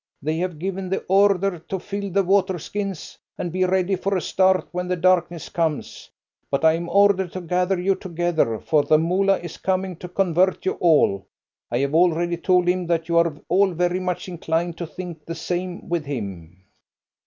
They have given the order to fill the water skins, and be ready for a start when the darkness comes. But I am ordered to gather you together, for the Moolah is coming to convert you all. I have already told him that you are all very much inclined to think the same with him."